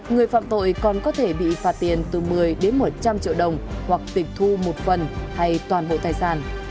người phạm tội còn có thể bị phạt tiền từ một mươi đến một trăm linh triệu đồng hoặc tịch thu một phần hay toàn bộ tài sản